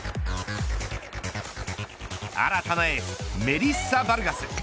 新たなエースメリッサ・バルガス。